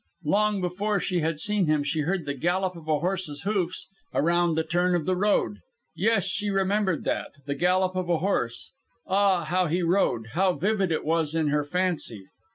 Long before she had seen him she heard the gallop of a horse's hoofs around the turn of the road. Yes, she remembered that the gallop of a horse. Ah! how he rode how vivid it was in her fancy.